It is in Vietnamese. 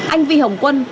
anh vy hồng quân